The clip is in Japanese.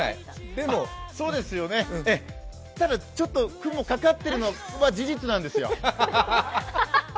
でも、雲、ちょっとかかってるのは事実なんですよ。